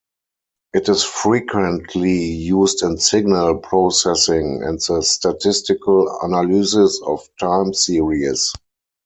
It is frequently used in signal processing and the statistical analysis of time series.